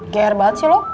gr banget sih lo